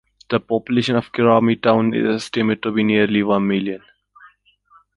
The population of Kiamari Town is estimated to be nearly one million.